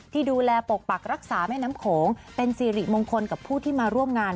ที่ดูแลปกปักรักษาแม่น้ำโขงเป็นสิริมงคลกับผู้ที่มาร่วมงาน